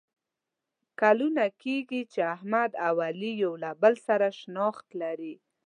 کلونه کېږي چې احمد او علي یو له بل سره شناخت لري.